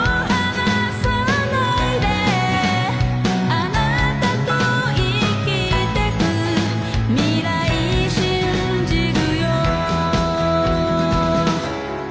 「あなたと生きていく未来信じるよ」